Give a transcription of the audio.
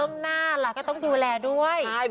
เอ้าหรอเอ้าหรอเอ้าหรอ